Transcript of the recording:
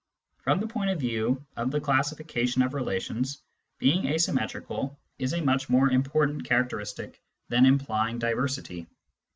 From the point of view of the classification of relations, being asymmetrical is a much more important characteristic than implying diversity.